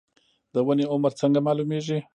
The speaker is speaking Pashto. د ونې عمر څنګه معلومیږي؟